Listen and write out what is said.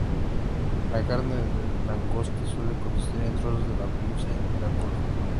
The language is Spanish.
La carne de langosta suele consistir en trozos de la pinza y la cola.